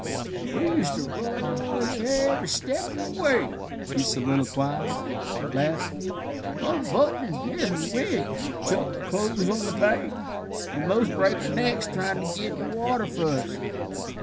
"We used to run every step of the way," he soliloquized, laughing, "unbuttonin' as we went, chuck our clothes on the bank, and 'most break our necks tryin' to git in the water fust.